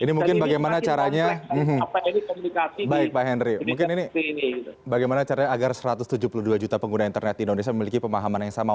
ini mungkin bagaimana caranya agar satu ratus tujuh puluh dua juta pengguna internet di indonesia memiliki pemahaman yang sama